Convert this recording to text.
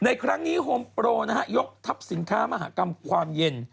ในครั้งนี้โฮมโปรนะฮะยกทัพสินค้ามหากรรมความเย็น